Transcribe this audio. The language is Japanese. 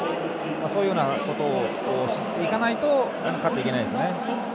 そういうようなことをしていかないと勝っていけないですね。